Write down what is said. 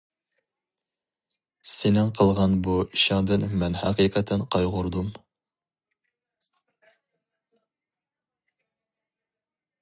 سېنىڭ قىلغان بۇ ئىشىڭدىن مەن ھەقىقەتەن قايغۇردۇم.